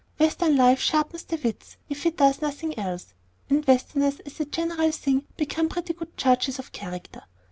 Western life sharpens the wits, if it does nothing else, and Westerners as a general thing become pretty good judges of character.